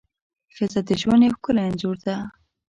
ښځه د ژوند یو ښکلی انځور ده.